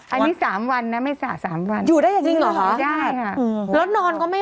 อันนี้๓วันนะเหมือนกันนะ๓วัน